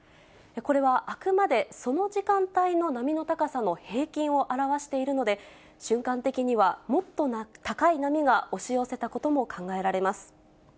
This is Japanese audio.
これは、あくまでその時間帯の波の高さの平均を表しているので、瞬間的にはもっと高い波が押し寄せたことも考えられます。